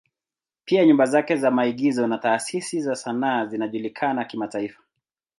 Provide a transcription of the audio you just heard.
Pia nyumba zake za maigizo na taasisi za sanaa zinajulikana kimataifa.